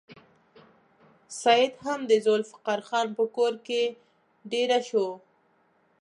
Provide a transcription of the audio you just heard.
سید هم د ذوالفقار خان په کور کې دېره شو.